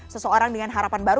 seseorang dengan harapan baru